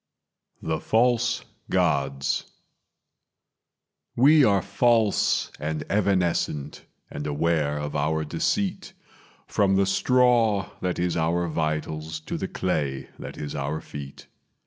The False Gods "We are false and evanescent, and aware of our deceit, From the straw that is our vitals to the clay that is our feet.